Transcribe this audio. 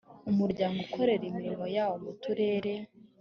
umuryango ukorera imirimo yawo mu turere